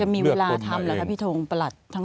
จะมีเวลาทำแล้วครับพี่โทงประหลัดทั้งหมด